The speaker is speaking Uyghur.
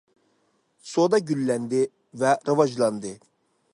سودا گۈللەندى ۋە راۋاجلاندى.